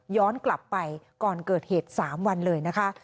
กลับไปก่อนเกิดเหตุ๓วันเลยนะคะ